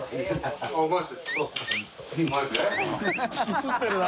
引きつってるな。